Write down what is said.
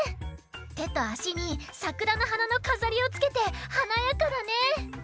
てとあしにさくらのはなのかざりをつけてはなやかだね！